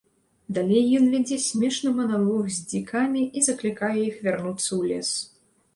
Далей ён вядзе смешны маналог з дзікамі і заклікае іх вярнуцца ў лес.